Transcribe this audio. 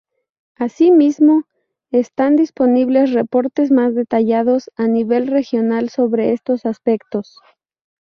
Así mismo, están disponibles reportes más detallados a nivel regional sobre estos aspectos.